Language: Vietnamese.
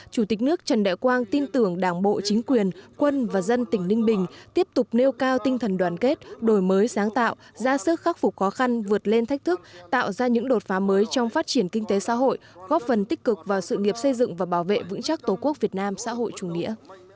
chủ tịch nước đề nghị tỉnh ninh bình cần tập trung khai thác tốt tiềm năng lợi thế